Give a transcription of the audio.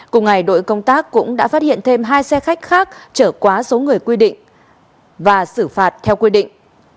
cùng ngày đội công tác cũng đã phát hiện thêm hai xe khách khác trở quá số người quy định và xử phạt theo quy định